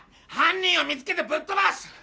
犯人を見つけてぶっとばす。